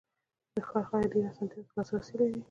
د ښار خلک ډېرو آسانتیاوو ته لاسرسی لري.